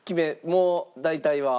もう大体は？